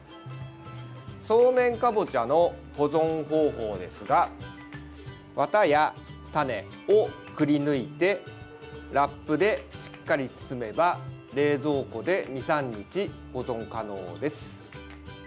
そうめんかぼちゃの保存方法ですがわたや種をくりぬいてラップでしっかり包めば冷蔵庫で２３日保存可能です。